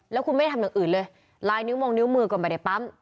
แล้วคุณไม่ได้ทำอย่างอื่นเลยลายนิ้วมงนิ้วมือก็ไม่ได้ปั๊ม